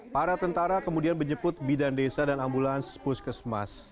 para tentara kemudian menjemput bidan desa dan ambulans puskesmas